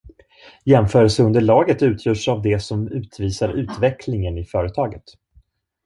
Jämförelseunderlaget utgörs av det som utvisar utvecklingen i företaget.